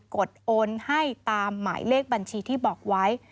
ดโอนให้ตามหมายเลขบัญชีที่บอกไว้